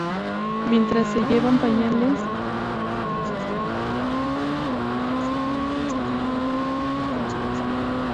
Mientras se llevan pañales, un fetichista del pañal generalmente experimenta un sentimiento de consolación.